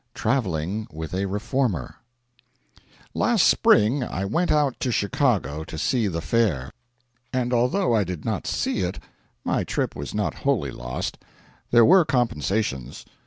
TRAVELLING WITH A REFORMER Last spring I went out to Chicago to see the Fair, and although I did not see it my trip was not wholly lost there were compensations.